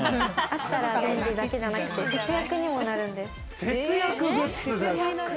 あったら便利だけじゃなくて節約にもなるんです。